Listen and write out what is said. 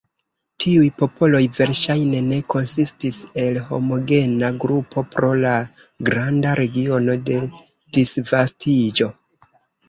Tiuj popoloj verŝajne ne konsistis el homogena grupo pro la granda regiono de disvastiĝo.